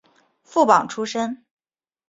副榜出身。